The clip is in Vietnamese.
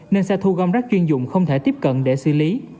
nên xe thu gom rác chuyên dụng không thể tiếp cận để xử lý